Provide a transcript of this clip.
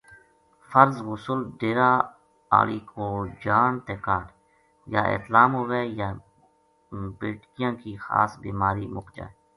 فرض غسل ڈیرا آلی کول جان تے کاہڈ، یا احتلام ہووے، یا بیذٹکیاں کی خاص بیماری مک جائے۔